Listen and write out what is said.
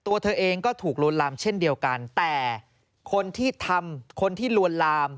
ตัวเธอเองก็ถูกลวนลามเช่นเดียวกันแต่คนที่ทำคนที่ลวนลาม